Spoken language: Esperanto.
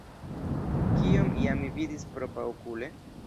Kion ja mi vidis propraokule?